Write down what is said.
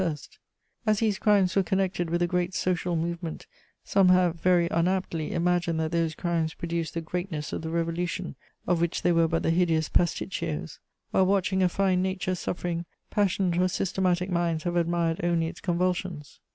As these crimes were connected with a great social movement, some have, very unaptly, imagined that those crimes produced the greatness of the Revolution, of which they were but the hideous pasticcios: while watching a fine nature suffering, passionate or systematic minds have admired only its convulsions.